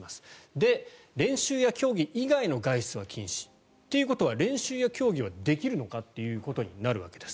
で、練習や競技以外の外出は禁止。ということは練習や競技はできるのかということになるんです。